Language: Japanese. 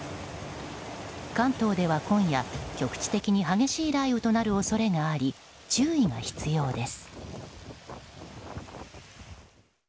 関東では今夜局地的に激しい雷雨となる恐れがあり注意が必要です。